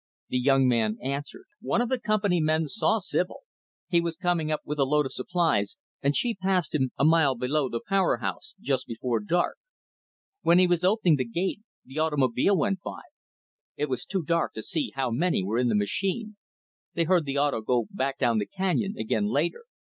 The young man answered, "One of the company men saw Sibyl. He was coming up with a load of supplies and she passed him a mile below the Power House just before dark. When he was opening the gate, the automobile went by. It was too dark to see how many were in the machine. They heard the 'auto' go down the canyon, again, later.